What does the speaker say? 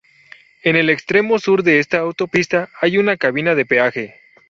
En el extremo sur de esta autopista hay una cabina de peaje.